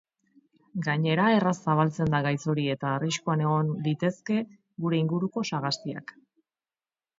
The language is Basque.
Gainera erraz zabaltzen da gaitz hori eta arriskuan egon litezke gure inguruko sagastiak.